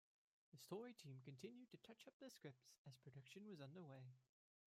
The story team continued to touch up the script as production was underway.